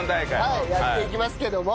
はいやっていきますけども。